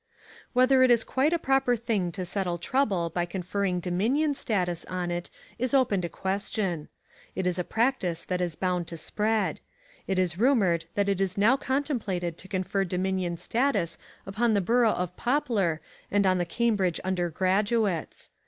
Whether it is quite a proper thing to settle trouble by conferring dominion status on it, is open to question. It is a practice that is bound to spread. It is rumoured that it is now contemplated to confer dominion status upon the Borough of Poplar and on the Cambridge undergraduates.